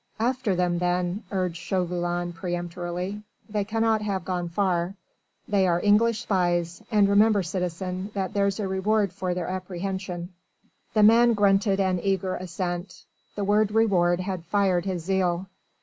"After them then!" urged Chauvelin peremptorily. "They cannot have gone far. They are English spies, and remember, citizen, that there's a reward for their apprehension." The man grunted an eager assent. The word "reward" had fired his zeal.